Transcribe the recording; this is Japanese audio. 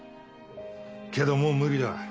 けどもう無理だ。